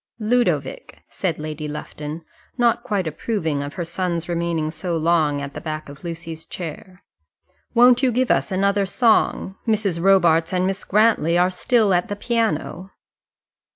"Ludovic," said Lady Lufton not quite approving of her son's remaining so long at the back of Lucy's chair "won't you give us another song? Mrs. Robarts and Miss Grantly are still at the piano."